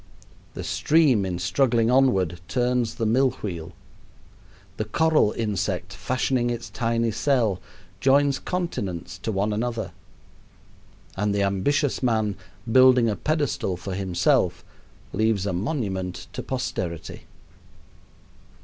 The stream in struggling onward turns the mill wheel; the coral insect, fashioning its tiny cell, joins continents to one another; and the ambitious man, building a pedestal for himself, leaves a monument to posterity.